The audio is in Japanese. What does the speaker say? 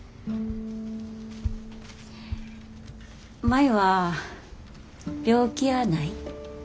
舞は病気やない。